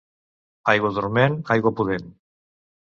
Aigua dorment, aigua pudent.